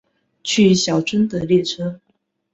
去小樽的列车